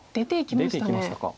出ていきましたか。